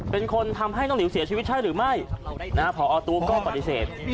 เป็นคนทำให้น้องหลิวเสียชีวิตใช่หรือไม่พอตู้ก็ปฏิเสธ